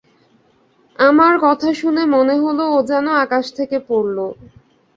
আমার কথা শুনে মনে হল ও যেন আকাশ থেকে পড়ল।